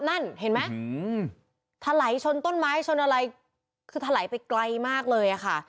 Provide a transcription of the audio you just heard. นั่นเห็นไหมถลายชนต้นไม้ชนอะไรคือถลายไปไกลมากเลยอะค่ะ